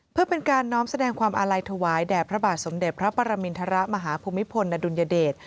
เพื่อเป็นการน้อมแสดงความอาลัยถวายแด่พระบาทสมเด็จพระปรมินทรมาฮภูมิพลอดุลยเดช